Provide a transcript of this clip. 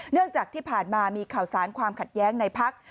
เนื่องจากที่ผ่านมามีข่าวสารความขัดแย้งในพัก